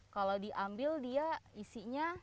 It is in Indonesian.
kalau diambil dia isinya